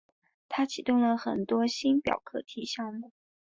他启动了很多星表课题项目。